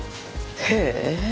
へえ！